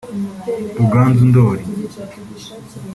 Ruganzu Ndoli